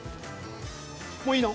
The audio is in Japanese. もういいの？